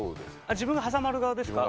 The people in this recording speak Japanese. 自分が挟まる側ですか。